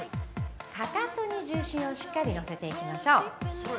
かかとに重心をしっかりのせていきましょう。